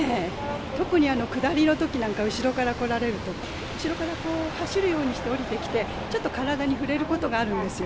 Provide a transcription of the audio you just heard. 特に下りのときなんか、後ろから来られると、後ろからこう走るようにして下りてきて、ちょっと体に触れることがあるんですよ。